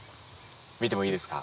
見てもいいですか？